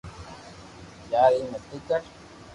يار ايم متي ڪر